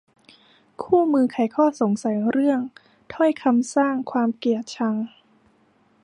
คู่มือไขข้อสงสัยเรื่อง ถ้อยคำสร้างความเกลียดชัง